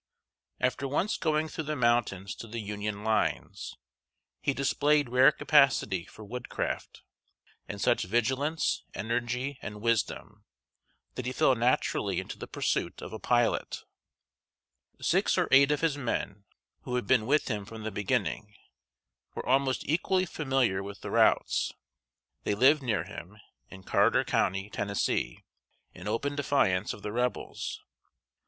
After once going through the mountains to the Union lines, he displayed rare capacity for woodcraft, and such vigilance, energy, and wisdom, that he fell naturally into the pursuit of a pilot. Six or eight of his men, who had been with him from the beginning, were almost equally familiar with the routes. They lived near him, in Carter County, Tennessee, in open defiance of the Rebels.